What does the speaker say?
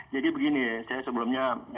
jadi begini ya saya sebelumnya